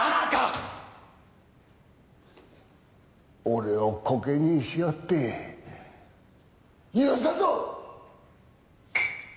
俺をコケにしおって許さんぞ！